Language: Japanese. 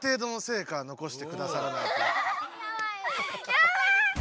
やばい！